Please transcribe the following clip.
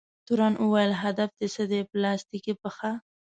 تورن وویل: هدف دې څه دی؟ پلاستیکي پښه؟